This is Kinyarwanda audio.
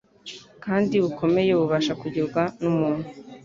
kandi bukomeye bubasha kugirwa n'umuntu.